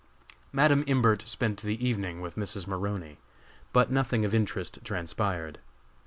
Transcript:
Madam Imbert spent the evening with Mrs. Maroney, but nothing of interest transpired.